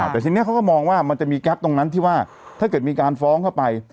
แต่ทีนี้เขาก็มองว่ามันจะมีแก๊ปตรงนั้นที่ว่าถ้าเกิดมีการฟ้องเข้าไป